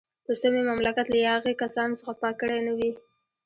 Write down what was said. تر څو مې مملکت له یاغي کسانو څخه پاک کړی نه وي.